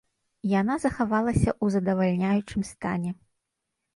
Яна захавалася ў задавальняючым стане.